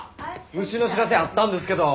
虫の知らせあったんですけど。